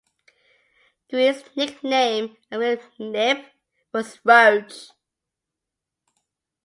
Green's nickname at William Knibb was 'Roach'.